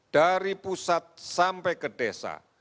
dari pusat sampai ke desa